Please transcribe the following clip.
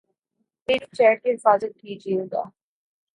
میری چیٹ کی حفاظت کیجئے گا